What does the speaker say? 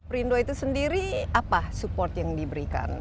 perindo itu sendiri apa support yang diberikan